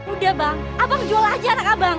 udah bang abang jual aja anak abang